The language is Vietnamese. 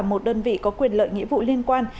một đơn vị có quyền lợi nghĩa vụ liên quan